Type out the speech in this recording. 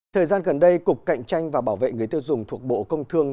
thời gian gần đây cục cạnh tranh và bảo vệ người tiêu dùng thuộc bộ công thương